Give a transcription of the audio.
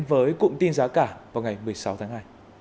với cụm tin giá cả vào ngày một mươi sáu tháng hai